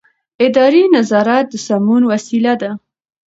اداري نظارت د سمون وسیله ده.